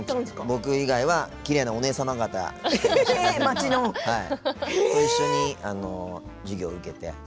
僕以外はきれいなお姉様方と一緒に授業を受けて。